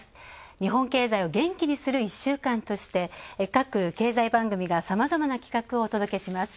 日本経済を元気にする１週間として各経済番組が、さまざまな企画をお届けします。